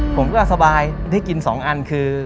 ผมก็สบายได้กิน๒อันคือ